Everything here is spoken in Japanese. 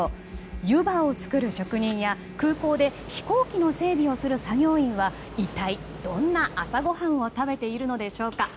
湯葉を作る職人や、空港で飛行機の整備をする作業員は一体どんな朝ごはんを食べているのでしょうか。